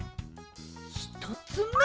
ひとつめ。